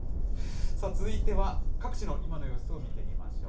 続いては、各地の今の様子を見てみましょう。